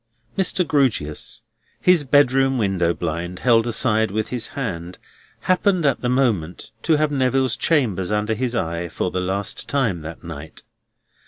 Mr. Grewgious, his bedroom window blind held aside with his hand, happened at the moment to have Neville's chambers under his eye for the last time that night.